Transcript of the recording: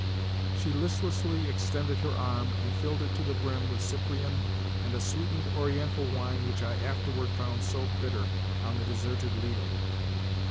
She listlessly extended her arm and filled it to the brim with Cyprian and a sweetened Oriental wine which I afterward found so bitter on the deserted Lido.